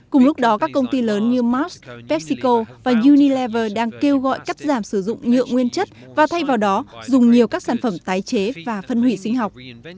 cùng lúc đó các công ty lớn như mars pepsico và unilever đang kêu gọi cắt giảm sử dụng nhựa nguyên chất và thay vào đó dùng nhiều các sản phẩm tái chế và phân hủy sinh học